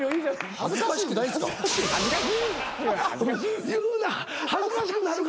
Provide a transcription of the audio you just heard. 恥ずかしくないんすか？